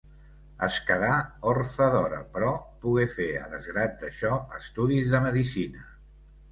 Es quedà orfe d'hora, però pogué fer a desgrat d'això estudis de medicina.